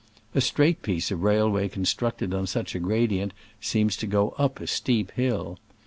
A straight piece of railway con structed on such a gradient seems to go up a steep hill.